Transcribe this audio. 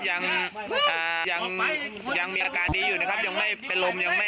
ยังยังมีอาการดีอยู่นะครับยังไม่เป็นลมยังไม่